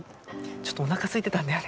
ちょっとおなかすいてたんだよね。